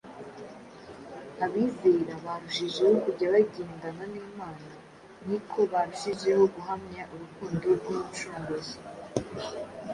abizera barushijeho kujya bagendana n’Imana ni ko barushijeho guhamya urukundo rw’Umucunguzi